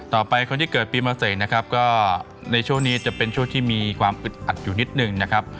คนที่เกิดปีมะเสกนะครับก็ในช่วงนี้จะเป็นช่วงที่มีความอึดอัดอยู่นิดหนึ่งนะครับ